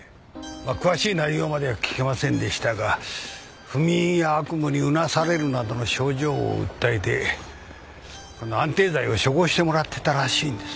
まあ詳しい内容までは聞けませんでしたが不眠や悪夢にうなされるなどの症状を訴えて安定剤を処方してもらってたらしいんです。